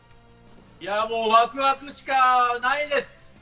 もうワクワクしかないです。